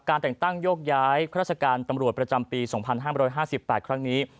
แต่งตั้งโยกย้ายข้าราชการตำรวจประจำปี๒๕๕๘ครั้งนี้